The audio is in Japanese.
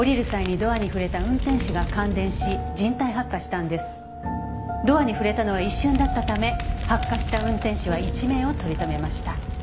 ドアに触れたのは一瞬だったため発火した運転手は一命を取り留めました。